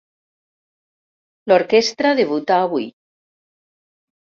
L'orquestra debuta avui.